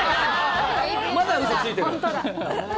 またうそついてる。